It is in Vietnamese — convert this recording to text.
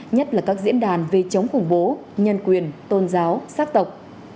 nhất là các diễn đàn về chống khủng bố nhân quyền tôn giáo sắc tộc